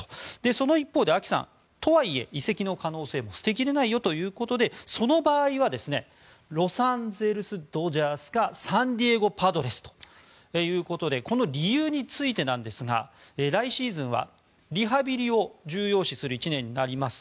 その一方で、ＡＫＩさんとはいえ移籍の可能性も捨て切れないよということでその場合はロサンゼルス・ドジャースかサンディエゴ・パドレスということでこの理由についてなんですが来シーズンはリハビリを重要視する１年になります。